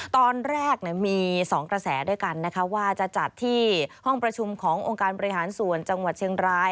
ตอนแรกมี๒กระแสด้วยกันนะคะว่าจะจัดที่ห้องประชุมขององค์การบริหารส่วนจังหวัดเชียงราย